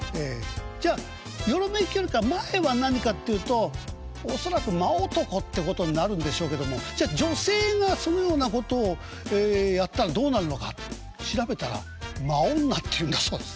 じゃあ「よろめき」よりか前は何かっていうと恐らく「間男」ってことになるんでしょうけどもじゃ女性がそのようなことをやったらどうなるのか調べたら「間女」っていうんだそうです。